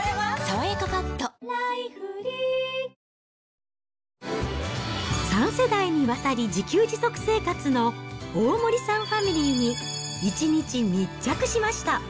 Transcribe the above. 「さわやかパッド」３世代にわたり自給自足生活の大森さんファミリーに、１日密着しました。